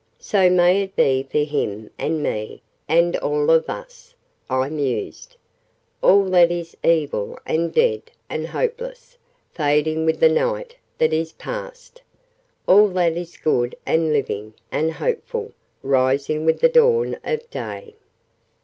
"So may it be for him, and me, and all of us!" I mused. "All that is evil, and dead, and hopeless, fading with the Night that is past! All that is good, and living, and hopeful, rising with the dawn of Day!